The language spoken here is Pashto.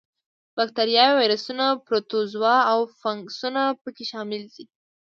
با کتریاوې، ویروسونه، پروتوزوا او فنګسونه په کې شامل دي.